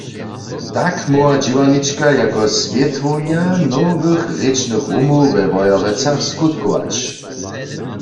Tak móhła dźěłarnička jako swětłownja nowych rěčnych rumow we Wojerecach skutkować.